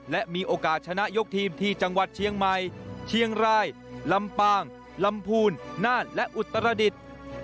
และมีโอกาสชนะยกทีมที่จังหวัดเชียงใหม่เชียงรายลำปางลำพูนน่านและอุตรดิษฐ์